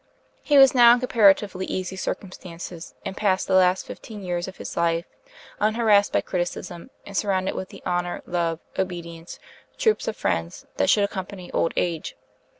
He was now in comparatively easy circumstances, and passed the last fifteen years of his life unharassed by criticism, and surrounded with the 'honor, love, obedience, troops of friends,' that should accompany old age.